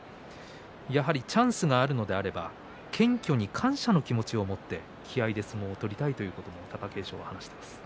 やはりチャンスがあるのであれば謙虚に感謝の気持ちを持って気合いで相撲を取りたいということも貴景勝は話していました。